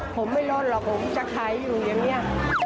ผมไม่ลดหรอกผมจะขายอยู่อย่างนี้